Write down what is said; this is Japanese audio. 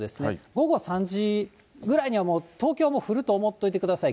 午後３時ぐらいにはもう、東京も降ると思っておいてください。